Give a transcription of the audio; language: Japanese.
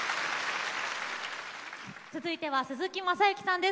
続いては鈴木雅之さんです。